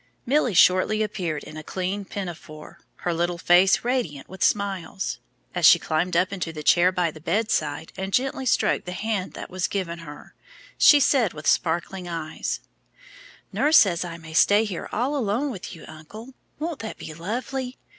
Milly shortly appeared in a clean pinafore, her little face radiant with smiles. As she climbed up into the chair by the bedside and gently stroked the hand that was given her, she said with sparkling eyes, "Nurse says I may stay here all alone with you, uncle; won't that be lovely?